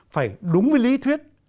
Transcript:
phải đúng với lý thuyết